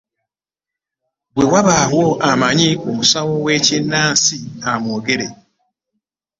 Bwe wabaawo amanyi ku musawo w'ekinnansi amwogere.